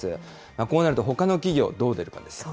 こうなるとほかの企業、どう出るかですよね。